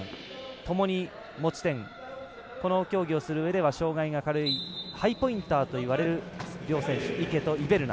ともに、持ち点この競技をするうえでは障がいが軽いハイポインターという両選手池とイベルナ。